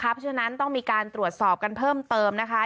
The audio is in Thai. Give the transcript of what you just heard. เพราะฉะนั้นต้องมีการตรวจสอบกันเพิ่มเติมนะคะ